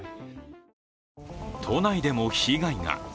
都内でも被害が。